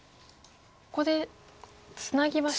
ここでツナぎました。